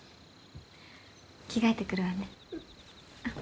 着替えてくるわね。